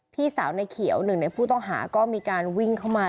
พี่สาวในเขียวหนึ่งในผู้ต้องหาก็มีการวิ่งเข้ามา